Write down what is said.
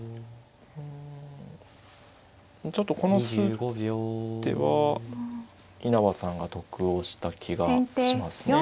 うんちょっとこの数手は稲葉さんが得をした気がしますね。